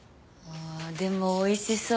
でもおいしそう。